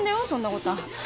そんなことは。